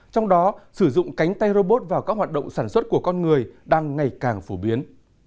trong đó sử dụng cánh tay robot vào các hoạt động sản xuất của con người đang ngày càng phổ biến